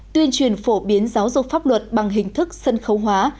tuyên truyền phổ biến giáo dục pháp luật bằng hình thức sân khấu hóa